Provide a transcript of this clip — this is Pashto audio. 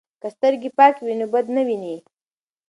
که سترګې پاکې وي نو بد نه ویني.